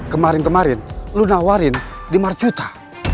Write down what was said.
kemarin kemarin lu nawarin lima marcuta